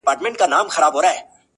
• يو نغمه ګره نقاسي کومه ښه کوومه,